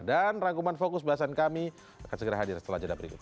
dan rangkuman fokus bahasan kami akan segera hadir setelah jadwal berikut